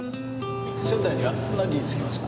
仙台には何時に着きますか？